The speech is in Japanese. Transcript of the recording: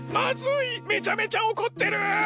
めちゃめちゃおこってる。